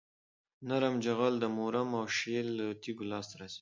نرم جغل د مورم او شیل له تیږو لاسته راځي